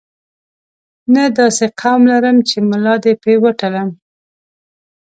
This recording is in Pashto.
نه داسې قوم لرم چې ملا دې په وتړم.